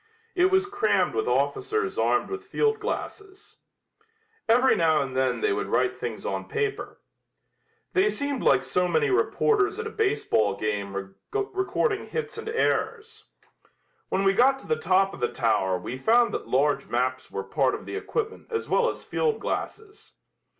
It was crammed with officers armed with field glasses. Every now and then they would write things on paper. They seemed like so many reporters at a baseball game recording hits and errors. When we got to the top of the tower we found that large maps were part of the equipment as well as field glasses.